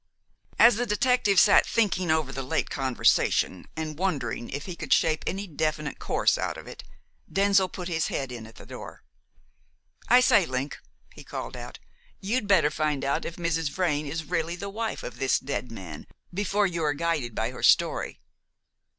As the detective sat thinking over the late conversation, and wondering if he could shape any definite course out of it, Denzil put his head in at the door. "I say, Link," he called out, "you'd better find out if Mrs. Vrain is really the wife of this dead man before you are guided by her story!"